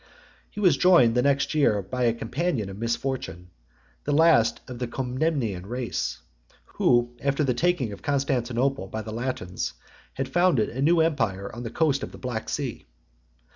He was joined the next year by a companion 861 of misfortune, the last of the Comnenian race, who, after the taking of Constantinople by the Latins, had founded a new empire on the coast of the Black Sea.